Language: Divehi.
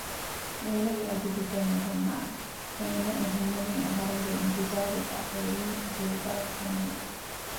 އޭނަގެ އަދި ބިޓެއް ނުހުންނާނެއޭނަ އެހުންނަނީ އަހަރެންގެ އިންތިޒާރުގައި އެއީ ޒޭބާގެ އުންމީދު